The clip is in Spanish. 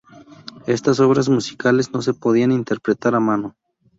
Estas obras musicales no se podían interpretar a mano.